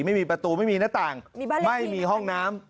ไม่มีประตูไม่มีหน้าต่างไม่มีห้องน้ำ